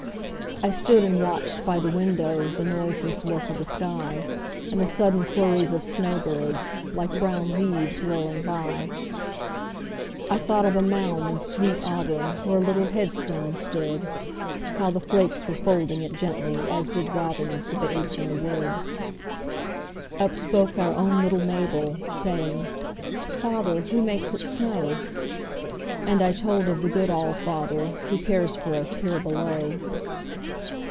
I stood and watched by the window The noiseless work of the sky, And the sudden flurries of snowbirds, Like brown leaves whirling by. I thought of a mound in sweet Auburn Where a little headstone stood; How the flakes were folding it gently, As did robins the babes in the wood. Up spoke our own little Mabel, Saying, 'Father, who makes it snow?' And I told of the good All father Who cares for us here below.